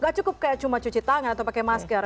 gak cukup kayak cuma cuci tangan atau pakai masker